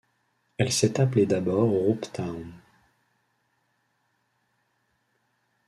Elle s’est appelée d’abord Rooptown.